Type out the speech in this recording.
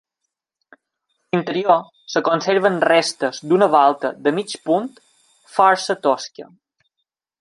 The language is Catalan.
A l'interior es conserven restes d'una volta de mig punt força tosca.